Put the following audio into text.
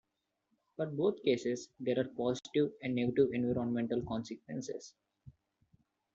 For both cases, there are positive and negative environmental consequences.